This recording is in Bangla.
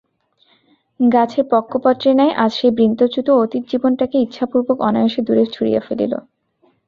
গাছের পক্কপত্রের ন্যায় আজ সেই বৃন্তচ্যুত অতীত জীবনটাকে ইচ্ছাপূর্বক অনায়াসে দূরে ছুঁড়িয়া ফেলিল।